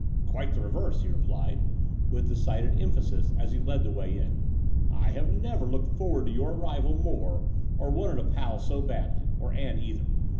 "Quite the reverse," he replied, with decided emphasis, as he led the way in. "I have never looked forward to your arrival more or wanted a pal so badly — or Ann either.